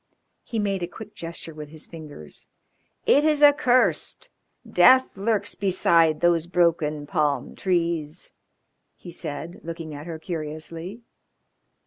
He made a quick gesture with his fingers. "It is accursed. Death lurks beside those broken palm trees," he said, looking at her curiously.